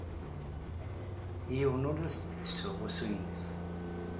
Yiwen ur as-d-ttessuɣ usu-nnes.